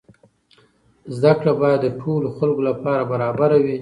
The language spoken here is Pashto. زده کړه باید د ټولو خلکو لپاره برابره وي.